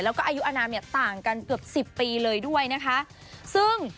แล้วก็อายุอนามเนี่ยต่างกันเกือบสิบปีเลยด้วยนะคะซึ่ง